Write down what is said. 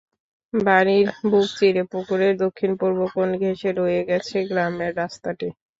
বাড়ির বুক চিড়ে পুকুরের দক্ষিণ-পূর্ব কোণ ঘেঁষে বয়ে গেছে গ্রামের রাস্তাটি।